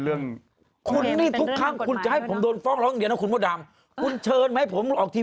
เราไม่เคยคิดนะพี่เนี่ยมันเป็นแบบนี้